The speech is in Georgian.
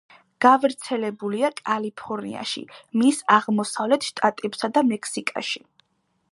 გავრცელებულია კალიფორნიაში, მის აღმოსავლეთ შტატებსა და მექსიკაში.